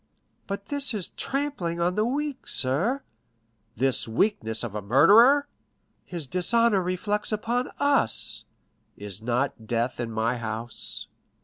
"But this is trampling on the weak, sir." "The weakness of a murderer!" "His dishonor reflects upon us." "Is not death in my house?"